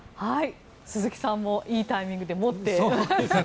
鈴木さんもいいタイミングで、持って。